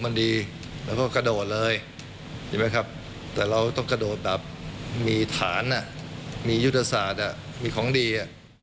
มียุทธศาสตร์มีของดี